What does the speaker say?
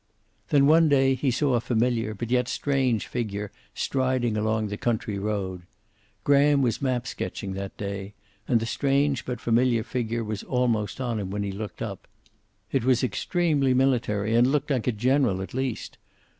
Then one day he saw a familiar but yet strange figure striding along the country road. Graham was map sketching that day, and the strange but familiar figure was almost on him when he looked up. It was extremely military, and looked like a general at least.